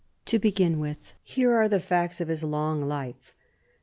To begin with, here are the facts of his long life.